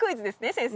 先生。